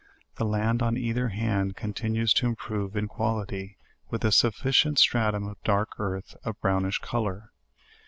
The land on either hand continues to improve in quality, with a sufficient stratum of dark earth of a brownish color.